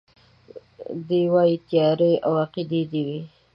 دی وايي تيارې او عقيدې دي وي